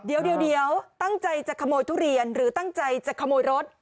เดี๋ยวเดี๋ยวเดี๋ยวตั้งใจจะขโมยทุเรียนหรือตั้งใจจะขโมยรถ